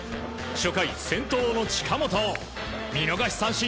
初回先頭の近本を見逃し三振。